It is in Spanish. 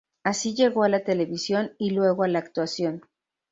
Así llegó a la televisión y luego a la actuación.